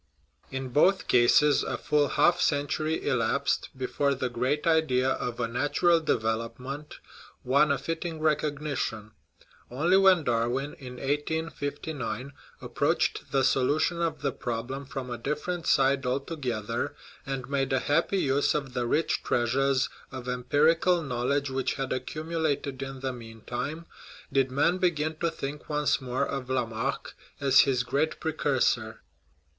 In both cases a full half century elapsed before the great idea of a natural development won a fitting recognition. Only when Darwin (in 1859) approached the solution of the problem from a differ ent side altogether, and made a happy use of the rich treasures of empirical knowledge which had accumulated in the mean time, did men begin to think once more of Lamarck as his great precursor.